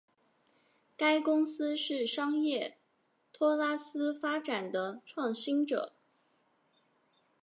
该公司是商业托拉斯发展的创新者。